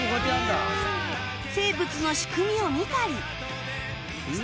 生物の仕組みを見たり